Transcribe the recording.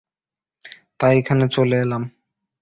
তাই এখানে চলে এলাম।